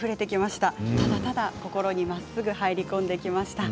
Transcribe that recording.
ただただ心にまっすぐ入り込んできました。